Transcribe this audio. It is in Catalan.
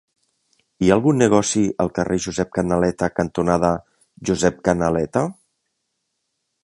Hi ha algun negoci al carrer Josep Canaleta cantonada Josep Canaleta?